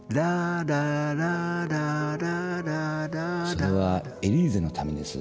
それは『エリーゼのために』ですよ。